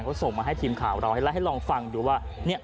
เขาส่งมาให้ทีมข่าวเราแล้วให้ลองฟังดูว่า